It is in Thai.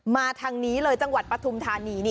มาทางนี้เลยจังหวัดปฐุมธานี